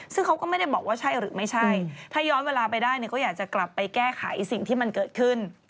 ซึ่งเขาก็ไม่ได้บอกว่าใช่หรือไม่ใช่ถ้าย้อนเวลาไปได้เนี่ยก็อยากจะกลับไปแก้ไขสิ่งที่มันเกิดขึ้น